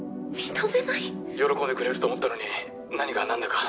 喜んでくれると思ったのに何が何だか。